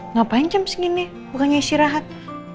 ngapain jam segini bukannya isi rahat